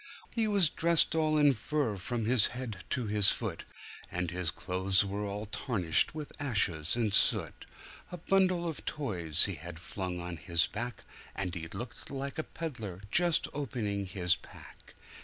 He was dressed all in fur, from his head to his foot, And his clothes were all tarnished with ashes and soot; A bundle of toys he had flung on his back, And he looked like a peddler just opening his pack.